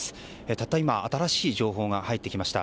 たった今、新しい情報が入ってきました。